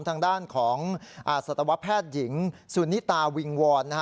ทางด้านของศาสตราวะแพทยิงสุนนิตาวิงวอน